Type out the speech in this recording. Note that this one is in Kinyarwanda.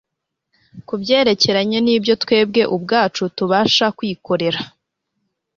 Ku byerekeranye nibyo twebwe ubwacu tubasha kwikorera